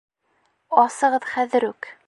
Асығыҙ хәҙер үк!